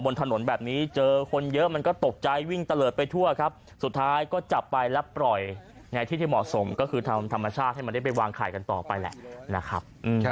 แล้วปล่อยไงที่ที่เหมาะสมก็คือทำธรรมชาติให้มันได้ไปวางไข่กันต่อไปแหละนะครับ